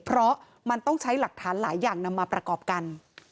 เพราะมันต้องใช้หลักฐานหลายอย่างนำมาประกอบกัน